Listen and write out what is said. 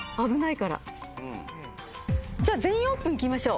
じゃあ「全員オープン」行きましょう。